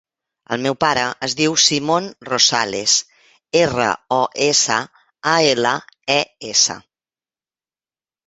El meu pare es diu Simon Rosales: erra, o, essa, a, ela, e, essa.